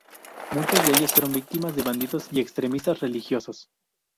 Muchos de ellos fueron víctimas de bandidos y extremistas religiosos.